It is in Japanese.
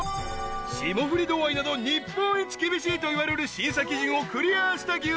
［霜降り度合いなど日本一厳しいといわれる審査基準をクリアした牛肉］